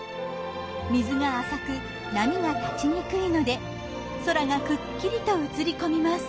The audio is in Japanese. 水が浅く波が立ちにくいので空がくっきりと映り込みます。